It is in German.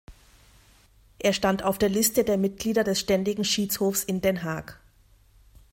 Er stand auf der Liste der Mitglieder des Ständigen Schiedshofs in Den Haag.